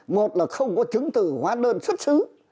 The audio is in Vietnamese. một là không có chứng từ hóa đơn xuất xứ